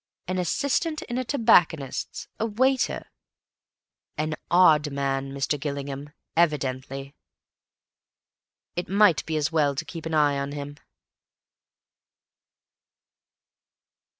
An assistant in a tobacconist's, a waiter! An odd man, Mr. Gillingham, evidently. It might be as well to keep an eye on him.